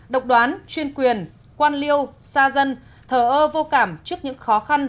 hai độc đoán chuyên quyền quan liêu xa dân thờ ơ vô cảm trước những khó khăn